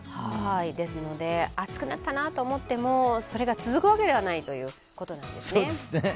ですので、暑くなったなと思ってもそれが続くわけではないということなんですね。